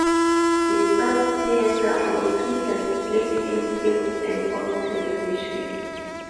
Besides theatre roles he has played in films and on television.